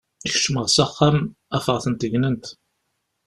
Kecmeɣ s axxam, afeɣ-tent gnent.